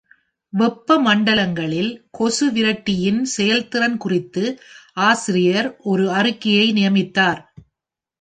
வெப்பமண்டலங்களில் கொசு விரட்டியின் செயல்திறன் குறித்து ஆசிரியர் ஒரு அறிக்கையை நியமித்தார்.